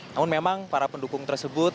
namun memang para pendukung tersebut